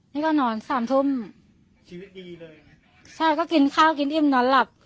นี่ก็นอนสามทุ่มชีวิตดีเลยใช่ก็กินข้าวกินอิ่มนอนหลับ